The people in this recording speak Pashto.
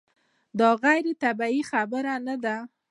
دا غیر طبیعي خبره نه ده.